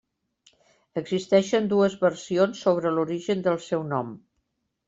Existeixen dues versions sobre l'origen del seu nom.